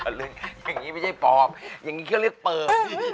อย่างนี้ไม่ใช่ปอบอย่างนี้ก็เรียกปืน